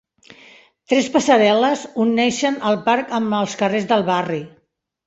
Tres passarel·les unixen el parc amb els carrers del barri.